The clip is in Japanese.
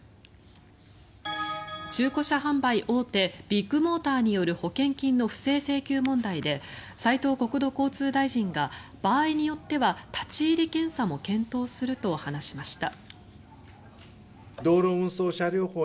中古車販売大手ビッグモーターによる保険金の不正請求問題で斉藤国土交通大臣が場合によっては立ち入り検査も検討すると話しました。